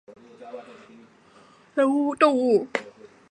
六齿猴面蟹为沙蟹科猴面蟹属的动物。